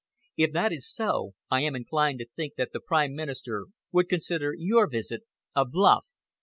If that is so, I am inclined to think that the Prime Minister would consider your visit a bluff.